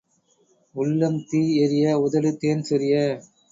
உள்ளம் தீ எரிய உதடு தேன் சொரிய.